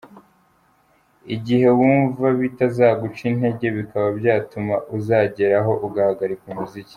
Igihe : Wumva bitazaguca intege bikaba byatuma uzageraho ugahagarika umuziki ?.